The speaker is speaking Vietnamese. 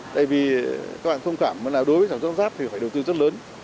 tại vì các bạn thông cảm đối với sản xuất và lắp ráp thì phải đầu tư rất lớn